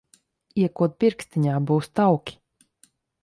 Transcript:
Iekod pirkstiņā, būs tauki.